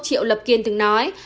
triệu lập kiên từng nói